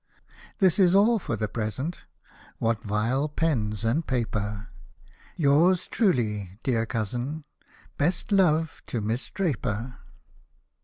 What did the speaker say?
This is all for the present — what vile pens and paper ! Yours truly, dear Cousin — best love to Miss Draper.